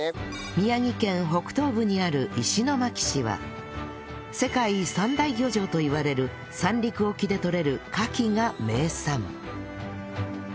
宮城県北東部にある石巻市は世界三大漁場といわれる三陸沖でとれるカキが名産